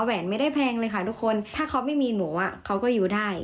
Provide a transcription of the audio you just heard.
แหนไม่ได้แพงเลยค่ะทุกคนถ้าเขาไม่มีหนูเขาก็อยู่ได้